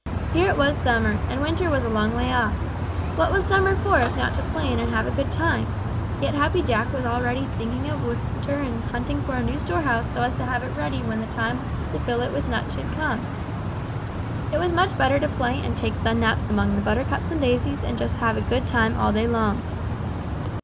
Here it was summer, and winter was a long way off. What was summer for if not to play in and have a good time? Yet Happy Jack was already thinking of winter and was hunting for a new storehouse so as to have it ready when the time to fill it with nuts should come. It was much better to play and take sun naps among the buttercups and daisies and just have a good time all day long.